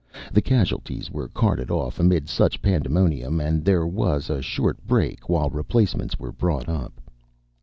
The casualties were carted off amid much pandemonium and there was a short break while re placements were brought up.